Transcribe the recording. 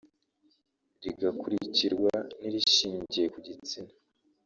rigakurikirwa n’irishingiye ku gitsina